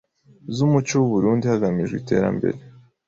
z’umuco w’u Burunndi hagamijwe iterambere